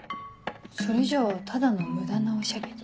それじゃあただの無駄なおしゃべり。